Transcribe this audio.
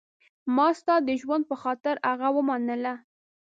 ما ستا د ژوند په خاطر هغه ومنله.